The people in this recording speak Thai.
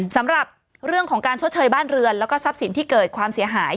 สำหรับเรื่องของการชดเชยบ้านเรือนแล้วก็ทรัพย์สินที่เกิดความเสียหาย